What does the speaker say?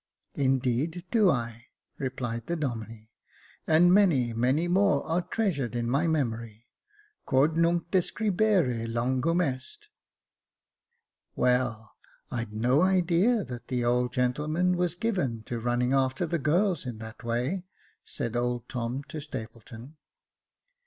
" Indeed, do I," replied the Domine, " and many, many more are treasured in my memory, quod nunc describere longum est" " Well, I'd no idea that the old gentleman was given to running after the girls in that way," said old Tom to Stapleton.